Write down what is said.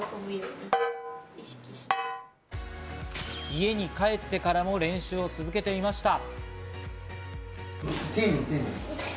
家に帰ってからも練習を続けていました。